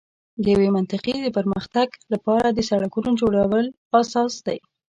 د یوې منطقې د پر مختګ لپاره د سړکونو جوړول اساس دی.